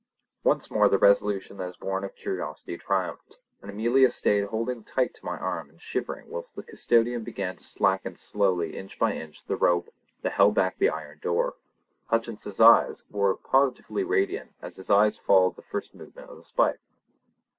Once more the resolution that is born of curiosity triumphed, and Amelia stayed holding tight to my arm and shivering whilst the custodian began to slacken slowly inch by inch the rope that held back the iron door. Hutcheson's face was positively radiant as his eyes followed the first movement of the spikes.